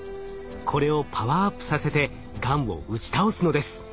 これをパワーアップさせてがんを打ち倒すのです。